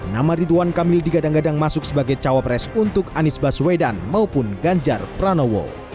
nama ridwan kamil digadang gadang masuk sebagai cawapres untuk anies baswedan maupun ganjar pranowo